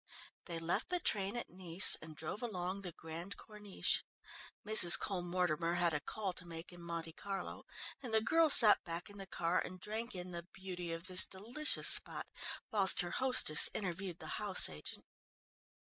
They left the train at Nice and drove along the Grande Corniche. Mrs. Cole Mortimer had a call to make in Monte Carlo and the girl sat back in the car and drank in the beauty of this delicious spot, whilst her hostess interviewed the house agent.